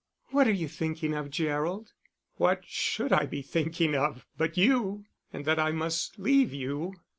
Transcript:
"What are you thinking of, Gerald?" "What should I be thinking of, but you and that I must leave you."